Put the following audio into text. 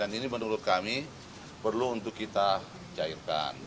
dan ini menurut kami perlu untuk kita cairkan